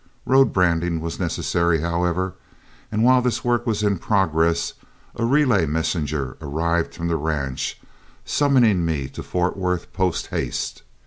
Road branding was necessary, however; and while this work was in progress, a relay messenger arrived from the ranch, summoning me to Fort Worth posthaste.